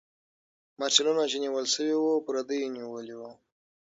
مرچلونه چې نیول سوي وو، پردیو نیولي وو.